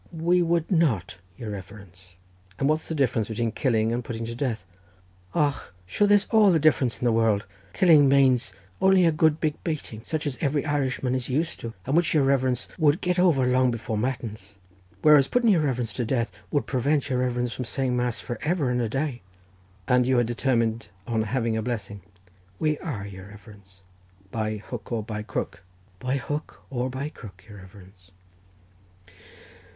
"We would not, your reverence." "And what's the difference between killing and putting to death?" "Och, sure there's all the difference in the world. Killing manes only a good big bating, such as every Irishman is used to, and which your reverence would get over long before matins, whereas putting your reverence to death would prevent your reverence from saying mass for ever and a day." "And you are determined on having a blessing?" "We are, your reverence." "By hook or by crook?" "By hook or by crook, your reverence."